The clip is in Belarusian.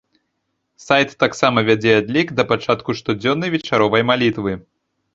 Сайт таксама вядзе адлік да пачатку штодзённай вечаровай малітвы.